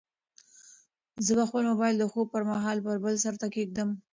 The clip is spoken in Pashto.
زه به خپل موبایل د خوب پر مهال په بل سرته کېږدم.